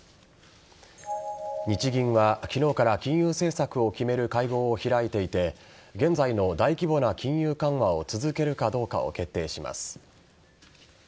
日銀は昨日から金融政策を決める会合を開いていて現在の大規模な金融緩和を続けるかどうかを決定します。